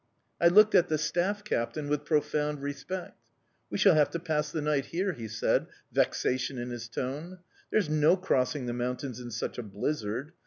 I looked at the staff captain with profound respect. "We shall have to pass the night here," he said, vexation in his tone. "There's no crossing the mountains in such a blizzard.